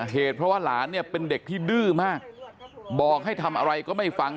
เหตุเพราะว่าหลานเนี่ยเป็นเด็กที่ดื้อมากบอกให้ทำอะไรก็ไม่ฟัง